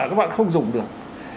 các bạn không dùng được